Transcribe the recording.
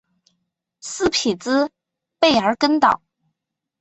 斯匹兹卑尔根岛。